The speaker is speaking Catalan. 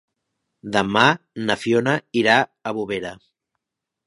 Demà na Fiona irà a Bovera.